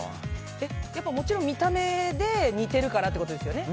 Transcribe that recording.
やっぱ、見た目で似てるからってことですよね。